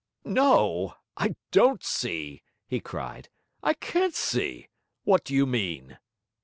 'No, I don't see,' he cried, 'I can't see. What do you mean?'